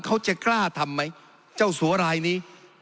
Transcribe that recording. เขาจะกล้าทำไหมเจ้าสัวรายนี้